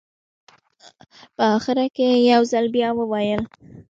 په اخره کې یې یو ځل بیا وویل.